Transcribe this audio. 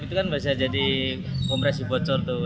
itu kan bisa jadi kompresi bocor tuh